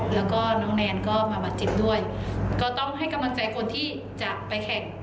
แล้วก็น้องแนนก็มาบาดเจ็บด้วยก็ต้องให้กำลังใจคนที่จะไปแข่ง